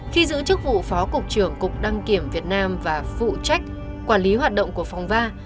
khi giữ chức vụ phó cục trưởng cục đăng kiểm việt nam và phụ trách quản lý hoạt động của phòng ba